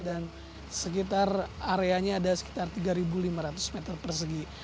dan sekitar areanya ada sekitar tiga lima ratus meter persegi